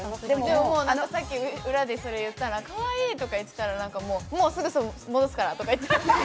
もうさっき裏でそれ言ったら、かわいいとか言ってたらもう、すぐ戻すからとか言ってました。